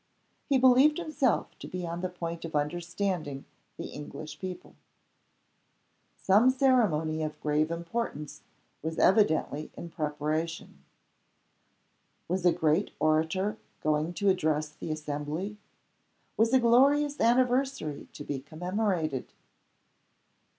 He believed himself to be on the point of understanding the English people. Some ceremony of grave importance was evidently in preparation. Was a great orator going to address the assembly? Was a glorious anniversary to be commemorated?